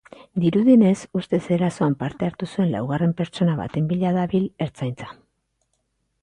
Dirudienez, ustez erasoan parte hartu zuen laugarren pertsona baten bila dabil ertzaintza.